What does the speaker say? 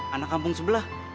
anak kampung sebelah